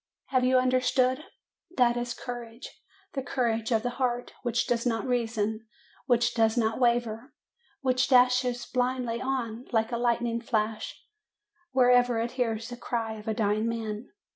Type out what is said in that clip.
"Have you understood? That is courage the courage of the heart, which does not reason, which does not waver, which dashes blindly on, like a light ning flash, wherever it hears the cry of a dying man.